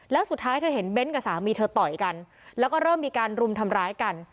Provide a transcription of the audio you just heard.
แล้วสุดท้ายเธอเห็นเบ้นกับสามีเธอต่อยกันแล้วก็เริ่มมีการรุมทำร้ายกัน